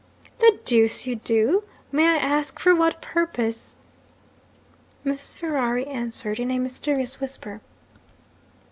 'The deuce you do! May I ask for what purpose?' Mrs. Ferrari answered in a mysterious whisper.